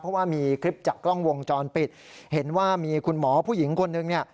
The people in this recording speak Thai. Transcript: เพราะว่ามีคลิปจากกล้องวงจรปิดเห็นว่ามีคุณหมอผู้หญิงคนนึงเนี่ย